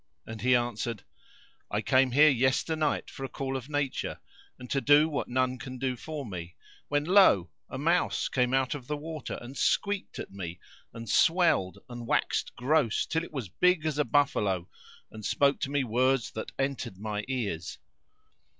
and he answered "I came here yesternight for a call of nature and to do what none can do for me, when lo! a mouse came out of the water, and squeaked at me and swelled and waxed gross till it was big as a buffalo, and spoke to me words that entered my ears.